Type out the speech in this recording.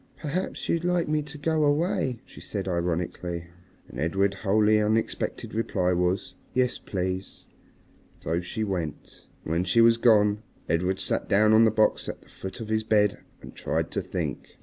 "Perhaps you'd like me to go away," she said ironically. And Edred's wholly unexpected reply was, "Yes, please." So she went. And when she was gone Edred sat down on the box at the foot of his bed and tried to think.